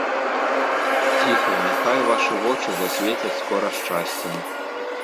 Ціха, няхай вашы вочы засвецяць скора шчасцем.